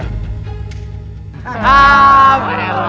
haa merah haa merah